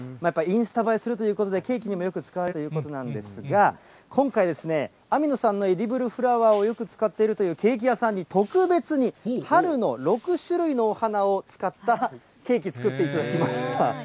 やっぱりインスタ映えするということで、ケーキにもよく使われるということなんですが、今回、網野さんのエディブルフラワーをよく使っているというケーキ屋さんに、特別に、春の６種類のお花を使ったケーキ作っていただきました。